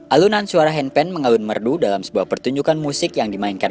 alunan suara hanpen mengalun merdu dalam sebuah pertunjukan musik yang dimainkan